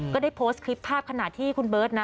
ก็ได้โพสต์คลิปภาพขณะที่คุณเบิร์ตนะ